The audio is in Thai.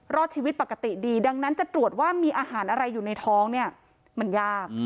รอดชีวิตปกติดีดังนั้นจะตรวจว่ามีอาหารอะไรอยู่ในท้องเนี่ยมันยาก